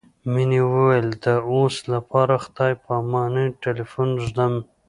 مينې وويل د اوس لپاره خدای په امان ټليفون ږدم.